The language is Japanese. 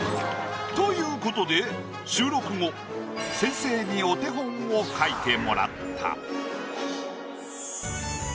ということで収録後先生にお手本を描いてもらった。